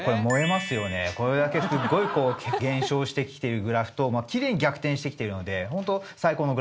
これだけすごい減少してきてるグラフとキレイに逆転してきているので本当